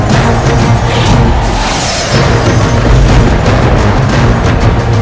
selasi selasi bangun